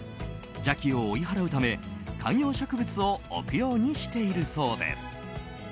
邪気を追い払うため、観葉植物を置くようにしているそうです。